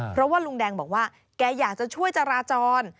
เพราะว่าลุงแดงบอกว่าแกอยากจะช่วยจราจร